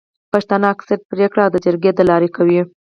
پښتانه اکثريت پريکړي د جرګي د لاري کوي.